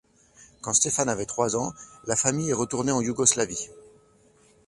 Quand Stefan avait trois ans, la famille est retournée en Yougoslavie.